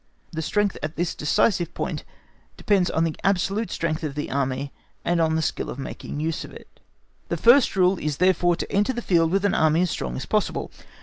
The strength at the decisive point depends on the absolute strength of the Army, and on skill in making use of it. The first rule is therefore to enter the field with an Army as strong as possible.